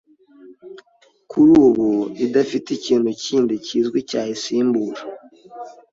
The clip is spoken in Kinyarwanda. kuri ubu idafite ikintu kindi kizwi cyayisimbura.